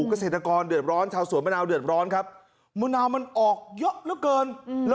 เกษตรกรเดือดร้อนชาวสวนมะนาวเดือดร้อนครับมะนาวมันออกเยอะเหลือเกิน